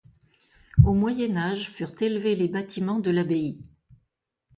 Au Moyen Âge furent élevés les bâtiments de l’abbaye.